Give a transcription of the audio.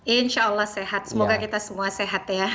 insya allah sehat semoga kita semua sehat ya